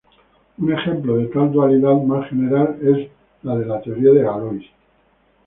Un ejemplo de tal dualidad más general es el de la teoría de Galois.